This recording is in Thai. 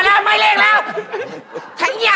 พอแล้วไม่เล่นแล้ว